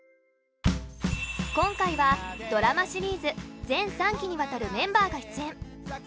今回はドラマシリーズ全３期にわたるメンバーが出演。